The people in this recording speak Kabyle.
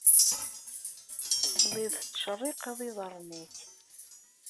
Telliḍ tettcerriqeḍ iḍarren-nnek.